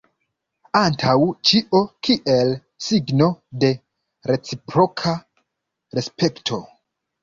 Antaŭ ĉio kiel signo de reciproka respekto.